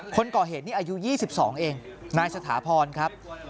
คนก่อเหตุนี่อายุ๒๒เองนายสถาพรครับ